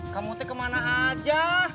kamu tuh kemana aja